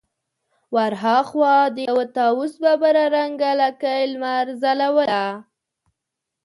ور هاخوا د يوه طاوس ببره رنګه لکۍ لمر ځلوله.